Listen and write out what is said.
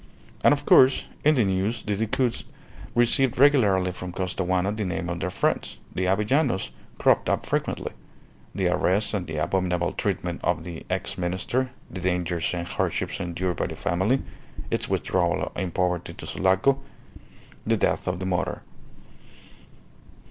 And, of course, in the news the Decouds received regularly from Costaguana, the name of their friends, the Avellanos, cropped up frequently the arrest and the abominable treatment of the ex Minister, the dangers and hardships endured by the family, its withdrawal in poverty to Sulaco, the death of the mother.